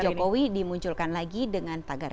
jokowi dimunculkan lagi dengan tagar